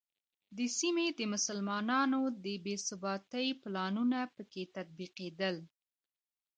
د سیمې د مسلمانانو د بې ثباتۍ پلانونه په کې تطبیقېدل.